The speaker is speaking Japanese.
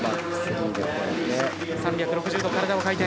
３６０度体を回転。